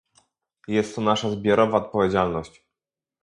Jest to nasza zbiorowa odpowiedzialność